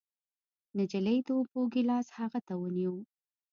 نجلۍ د اوبو ګېلاس هغه ته ونيو.